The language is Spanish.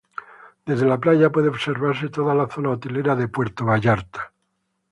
Desde la playa puede observarse toda la zona Hotelera de Puerto Vallarta.